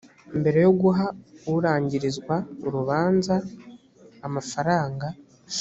mbere yo guha urangirizwa urubanza amafaranga